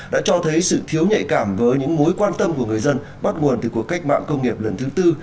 đã cho thấy sự thiếu nhạy cảm với những mối quan tâm của người dân bắt nguồn từ cuộc cách mạng công nghiệp lần thứ tư